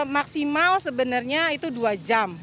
maksimal sebenarnya itu dua jam